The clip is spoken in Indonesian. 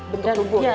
bentuk tubuh ya